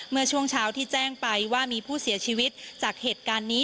เมื่อช่วงเช้าที่แจ้งไปว่ามีผู้เสียชีวิตจากเหตุการณ์นี้